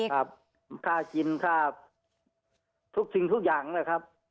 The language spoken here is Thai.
ครับค่ากินค่าทุกสิ่งทุกอย่างนะครับ